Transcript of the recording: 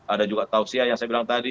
ada juga tausiah yang saya bilang tadi